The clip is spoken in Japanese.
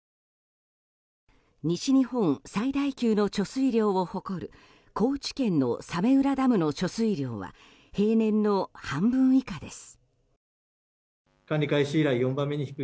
西日本最大級の貯水量を誇る高知県の早明浦ダムの貯水量は平年の半分以下です。